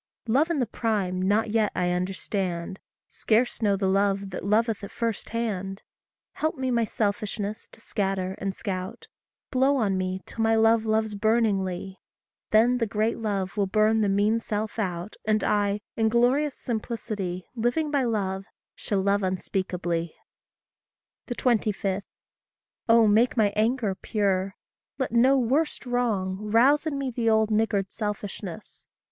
Love in the prime not yet I understand Scarce know the love that loveth at first hand: Help me my selfishness to scatter and scout; Blow on me till my love loves burningly; Then the great love will burn the mean self out, And I, in glorious simplicity, Living by love, shall love unspeakably. 25. Oh, make my anger pure let no worst wrong Rouse in me the old niggard selfishness.